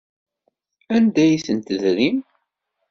Anda ay ten-tedrim?